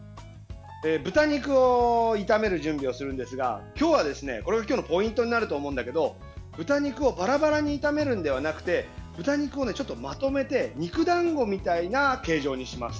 豚肉を炒める準備をするんですが今日はですね、これが今日のポイントになると思うんだけど豚肉をバラバラに炒めるのではなくて豚肉をちょっとまとめて肉だんごみたいな形状にします。